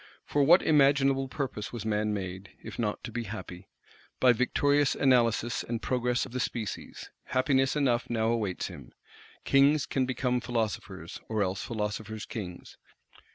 For what imaginable purpose was man made, if not to be "happy"? By victorious Analysis, and Progress of the Species, happiness enough now awaits him. Kings can become philosophers; or else philosophers Kings.